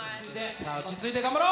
さあ、落ち着いて頑張ろう。